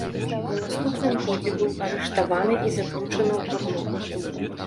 У наступным годзе быў арыштаваны і заключаны ў турму.